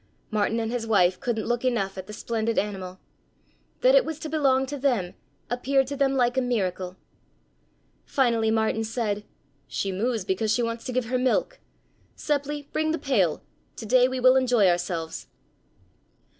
Martin and his wife couldn't look enough at the splendid animal. That it was to belong to them appeared to them like a miracle. Finally Martin said: "She moos because she wants to give her milk. Seppli, bring the pail; to day we will enjoy ourselves."